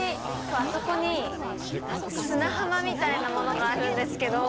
あそこに砂浜みたいなものがあるんですけど。